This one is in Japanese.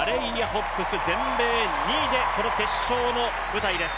ホッブス全米２位で、この決勝の舞台です。